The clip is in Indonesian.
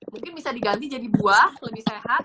mungkin bisa diganti jadi buah lebih sehat